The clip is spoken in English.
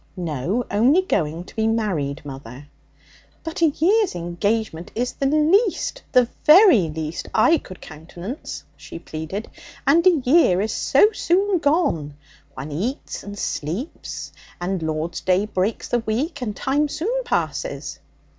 'No. Only going to be married mother.' 'But a year's engagement is the least, the very least I could countenance,' she pleaded, 'and a year is so soon gone. One eats and sleeps, and Lord's Day breaks the week, and time soon passes.'